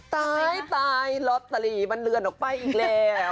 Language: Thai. ตายตายลอตเตอรี่มันเลือนออกไปอีกแล้ว